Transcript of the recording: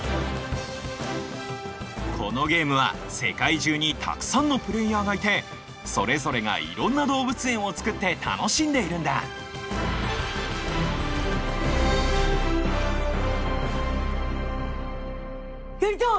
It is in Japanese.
このゲームは世界中にたくさんのプレーヤーがいてそれぞれがいろんな動物園を作って楽しんでいるんだやりたい！